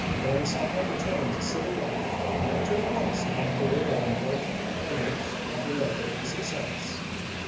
Burnside returned to civil life, and entered at once upon a career of unbroken and eminent popularity and success.